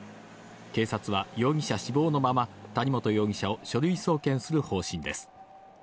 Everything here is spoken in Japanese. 警察は容疑者死亡のまま、谷本容疑者を書類送検する方針です。